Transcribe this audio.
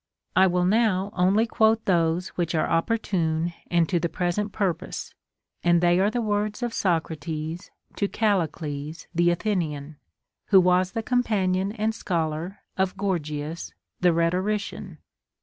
I will now only quote those which are op portune and to the present purpose, and they are the words of Socrates to Callicles the Athenian, Avho was the compan ion and scholar of Gorgias the rhetorician.